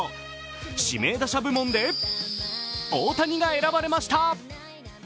指名打者部門で大谷が選ばれました。